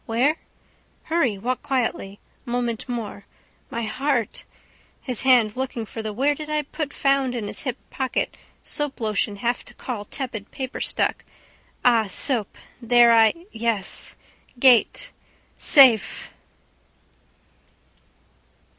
Where? Hurry. Walk quietly. Moment more. My heart. His hand looking for the where did I put found in his hip pocket soap lotion have to call tepid paper stuck. Ah soap there I yes. Gate. Safe!